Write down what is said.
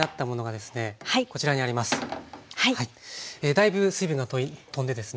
だいぶ水分が飛んでですね